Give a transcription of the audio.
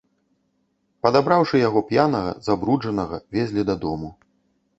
Падабраўшы яго, п'янага, забруджанага, везлі дадому.